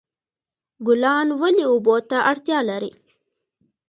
ګلان ولې اوبو ته اړتیا لري؟